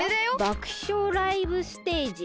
「爆笑ライブステージ。